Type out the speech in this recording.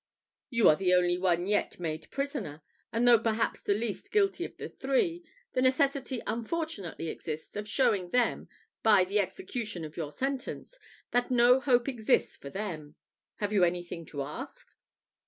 You are the only one yet made prisoner; and though perhaps the least guilty of the three, the necessity unfortunately exists of showing them, by the execution of your sentence, that no hope exists for them. Have you anything to ask?"